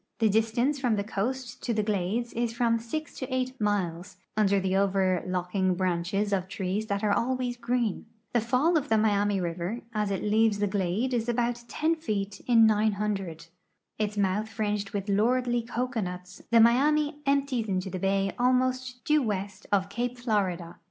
The distance from the coast to the glades is from 6 to 8 miles, under the overlooking branches of trees that are always green. The fall of the Miami river as it leaves the glade is about 10 feet in 900. Its mouth fringed with lordly cocoanuts, the Miami empties into the bay almost due west of cape Florida.